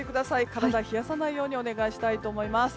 体を冷やさないようにお願いしたいと思います。